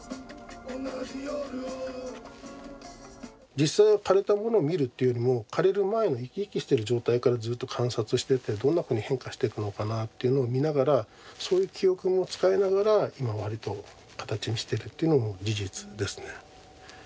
実際は枯れたものを見るっていうよりも枯れる前の生き生きしてる状態からずっと観察しててどんなふうに変化していくのかなっていうのを見ながらそういう記憶も使いながら今割と形にしてるというのも事実ですね。